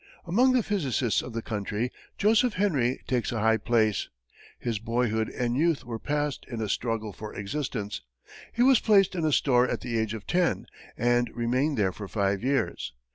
Among the physicists of the country, Joseph Henry takes a high place. His boyhood and youth were passed in a struggle for existence. He was placed in a store at the age of ten, and remained there for five years.